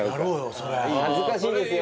それ恥ずかしいですよ